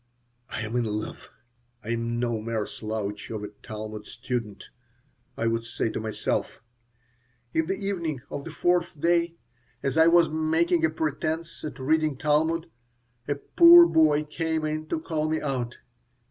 "I am in love. I am no mere slouch of a Talmud student," I would say to myself In the evening of the fourth day, as I was making a pretense at reading Talmud, a poor boy came in to call me out.